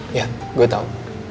iya gue tau